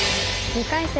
２回戦